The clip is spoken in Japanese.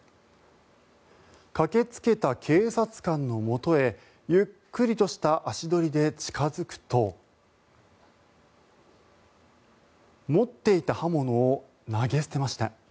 駆けつけた警察官のもとへゆっくりとした足取りで近付くと持っていた刃物を投げ捨てました。